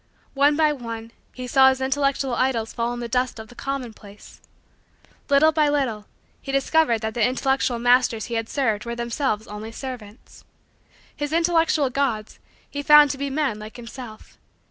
One by one, he saw his intellectual idols fall in the dust of the commonplace. Little by little, he discovered that the intellectual masters he had served were themselves only servants. His intellectual Gods, he found to be men like himself.